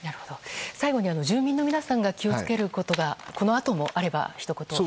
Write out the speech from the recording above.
最後に住民の皆さんが気を付けることがこのあともあれば、ひと言。